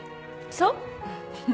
そう？